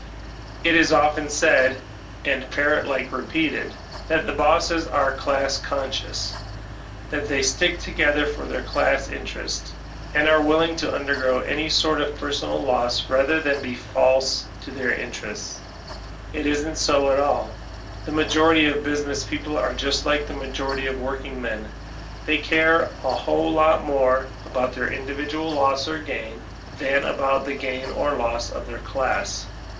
It is often said, and parrot like repeated, that the bosses are "class conscious," that they stick together for their class interest, and are willing to undergo any sort of personal loss rather than be false to those interests. It isn't 80 at all. The majority of business people are just like the majority of workingmen ; they care a whole fat more about their individual loss or gain than about the gain or loss of their class.